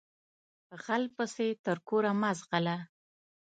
غل پسې تر کوره مه ځغلهٔ